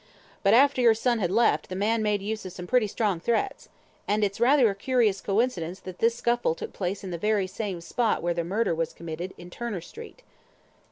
"But after your son had left, the man made use of some pretty strong threats. And it's rather a curious coincidence that this scuffle took place in the very same spot where the murder was committed; in Turner Street."